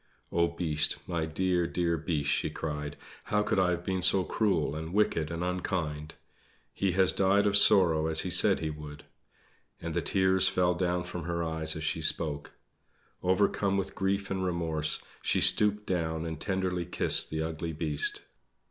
"Oh, Beast; my dear, dear Beast!" she cried. "How could I have been so cruel and wicked and unkind? He has died of sorrow as he said he would!" And the tears fell down from her eyes as she spoke. Overcome with grief and remorse, she stooped down and tenderly kissed the ugly Beast.